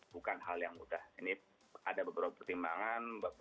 bukan hal yang mudah ini ada beberapa pertimbangan